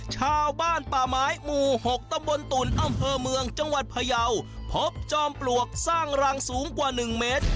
ชาวบ้านป่าไม้หมู่๖ตำบลตุ่นอำเภอเมืองจังหวัดพยาวพบจอมปลวกสร้างรังสูงกว่า๑เมตร